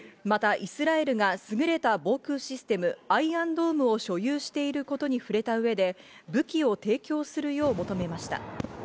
またイスラエルがすぐれた防空システム、アイアンドームを所有していることに触れた上で、武器を提供するよう求めました。